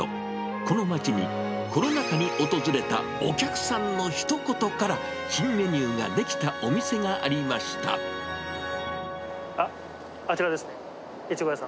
この街に、コロナ禍に訪れたお客さんのひと言から、新メニューが出来たお店あっ、あちらですね。